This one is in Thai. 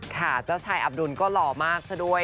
ค่ะเจ้าชายอับดุลก็หล่อมากซะด้วย